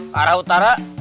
ke arah utara